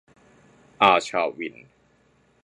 อาชา-วิน !